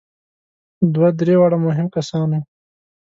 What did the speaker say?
دوی درې واړه مهم کسان وو.